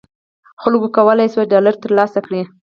خلکو کولای شول ډالر تر لاسه کړي.